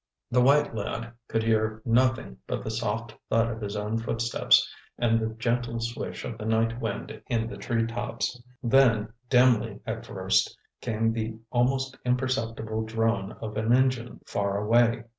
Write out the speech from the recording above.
The white lad could hear nothing but the soft thud of his own footsteps and the gentle swish of the night wind in the treetops. Then, dimly at first, came the almost imperceptible drone of an engine far away.